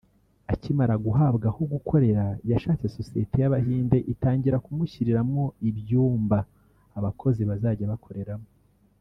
Akimara guhabwa aho gukorera yashatse Sosiyete y’Abahinde itangira kumushyiriramo ibyumba abakozi bazajya bakoreramo